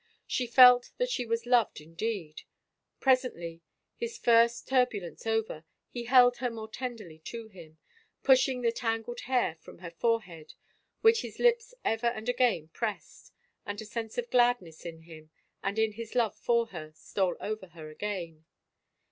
She felt that she was loved in deed. Presently, his first turbulence over, he held her more tenderly to him, pushing the tangled hair from her forehead, which his lips ever and again pressed, and a sense of gladness in him and in his love for her stole over her again.